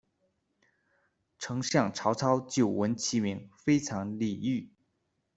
丞相曹操久闻其名，非常礼遇。